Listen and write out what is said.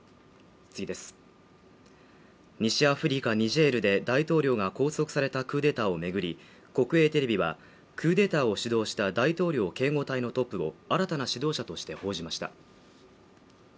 西アフリカ・ニジェールで大統領が拘束されたクーデターを巡り国営テレビはクーデターを主導した大統領警護隊のトップを新たな指導者として報じました